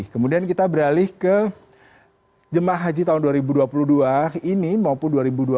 kemudian kita beralih ke jemaah haji tahun dua ribu dua puluh dua ini maupun dua ribu dua puluh satu